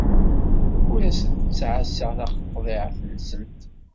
Ur asent-ttɛassaɣ taqḍiɛt-nsent.